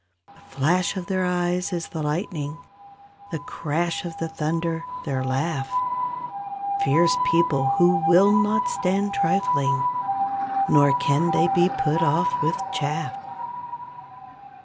The flash of their eyes is the lightning; The crash of the thunder, their laugh; Fierce people who will not stand trifling, Nor can they be put off with chaff.